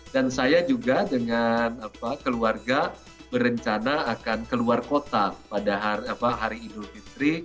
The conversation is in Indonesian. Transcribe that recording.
dan saya juga dengan keluarga berencana akan keluar kota pada hari idul fitri